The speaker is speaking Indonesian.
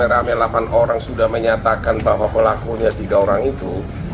menurut bapak apa kalau kalau rame rame delapan orang sudah menyatakan bahwa pelakunya tiga orang itu